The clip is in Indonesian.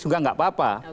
sudah tidak apa apa